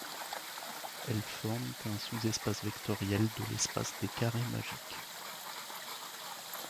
Elles forment un sous espace vectoriel de l'espace des carrés magiques.